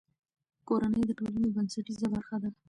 کورنۍ د ټولنې بنسټیزه برخه ده.